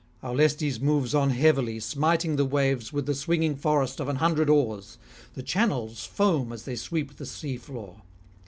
Aulestes moves on heavily, smiting the waves with the swinging forest of an hundred oars; the channels foam as they sweep the sea floor.